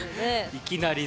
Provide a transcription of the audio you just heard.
いきなりね。